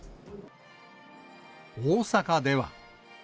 大阪では。